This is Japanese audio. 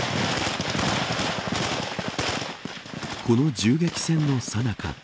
この銃撃戦のさなか。